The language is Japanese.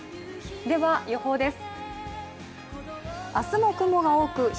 では、予報です。